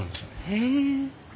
へえ！